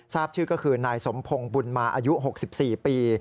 ทราบชื่อก็คือนายสมพงศ์บุญมาอายุ๖๔ปี